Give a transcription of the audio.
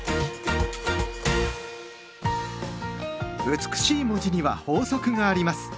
美しい文字には法則があります。